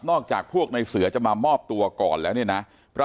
นอกจากพวกในเสือจะมามอบตัวก่อนแล้วเนี้ยน่ะปรากฏ